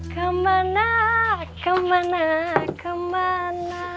kemana kemana kemana